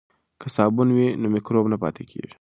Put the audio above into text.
که صابون وي نو مکروب نه پاتې کیږي.